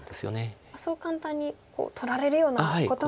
そう簡単に取られるようなことは。